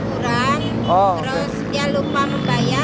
terus dia lupa membayar